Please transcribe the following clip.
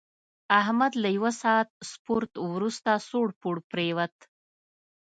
احمد له یوه ساعت سپورت ورسته سوړ پوړ پرېوت.